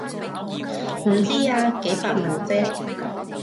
唔知啊，幾百萬啫